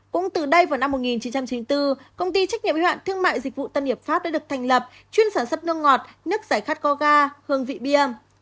cũng từ đây vào năm một nghìn chín trăm chín mươi bốn công ty trách nhiệm y hoạn thương mại dịch vụ tân hiệp pháp đã được thành lập chuyên sản xuất nước ngọt nước giải khát co ga hương vị bia